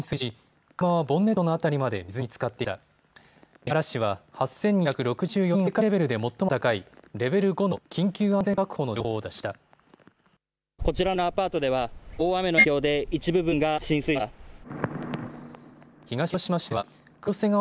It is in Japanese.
三原市は８２６４人を対象に警戒レベルで最も高いレベル５の緊急安全確保の情報を出しました。